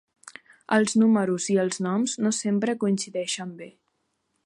Els números i els noms no sempre coincideixen bé.